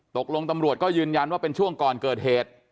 ตำรวจก็ยืนยันว่าเป็นช่วงก่อนเกิดเหตุ